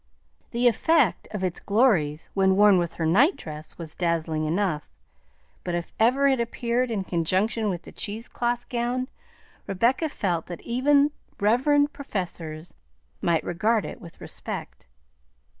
The effect of its glories when worn with her nightdress was dazzling enough, but if ever it appeared in conjunction with the cheesecloth gown, Rebecca felt that even reverend professors might regard it with respect.